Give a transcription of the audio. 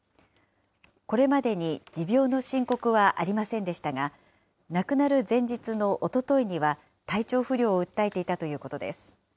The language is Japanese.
これまでに持病の申告はありませんでしたが、亡くなる前日のおとといには、体調不良を訴えていたということです。